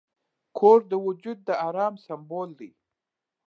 کور د وجود د آرام سمبول دی.